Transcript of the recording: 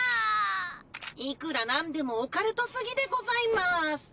いくらなんでもオカルトすぎでございます。